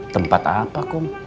tempat apa kum